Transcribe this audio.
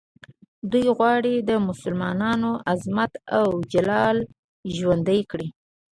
دوی غواړي د مسلمانانو عظمت او جلال ژوندی کړي.